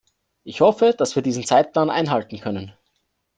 Ich hoffe, dass wir diesen Zeitplan einhalten können.